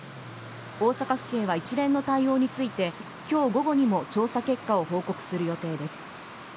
大阪府警は、一連の対応について今日午後にも調査結果を報告する予定です。